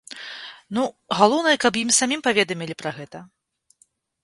Ну, галоўнае, каб ім самім паведамілі пра гэта.